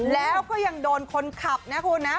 แล้วก็ยังโดนคนขับนะคุณนะ